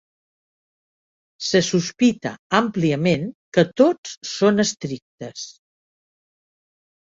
Se sospita àmpliament que tots són estrictes.